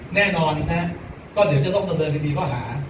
แน่นอนนะครับก็เดี๋ยวจะต้องเติมเวลาที่พี่เขาหา